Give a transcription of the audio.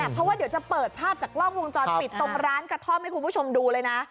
เพราะว่าเดี๋ยวจะเปิดภาพจากกล้องวงจรปิดตรงร้านกระท่อมให้คุณผู้ชมดูเลยนะ